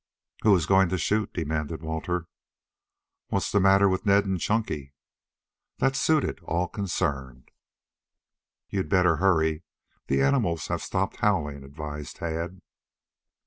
"Who is going to shoot?" demanded Walter. "What's the matter with Ned and Chunky?" That suited all concerned. "You'd better hurry. The animals have stopped howling," advised Tad.